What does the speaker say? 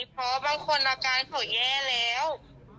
เพราะบางคนอาการเขาแย่แล้ว